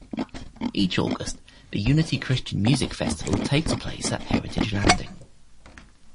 Each August, the Unity Christian Music Festival takes place at Heritage Landing.